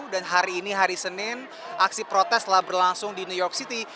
dan hari ini hari senin aksi protes telah berlangsung di new york city